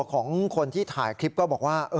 ของคนที่ถ่ายคลิปก็บอกว่า